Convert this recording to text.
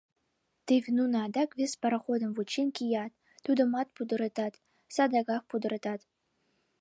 Теве нуно адак вес пароходым вучен кият, тудымат пудыртат, садыгак пудыртат…